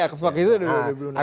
oke vokasi itu sudah belum ada